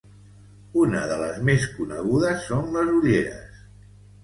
Una de les més conegudes són les ulleres.